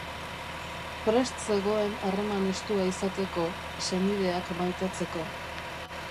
Prest zegoen harreman estua izateko, senideak maitatzeko.